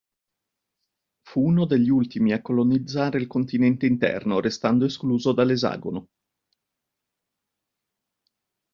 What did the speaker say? Fu uno degli ultimi a colonizzare il continente interno, restando escluso dall'esagono.